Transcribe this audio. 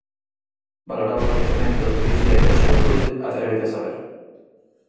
Valoraba o coñecemento e dicíalle á xuventude Atrévete a saber.